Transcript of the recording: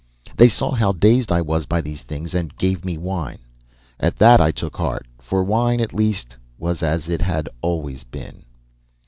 "They saw how dazed I was by these things, and gave me wine. At that I took heart, for wine, at least, was as it had always been.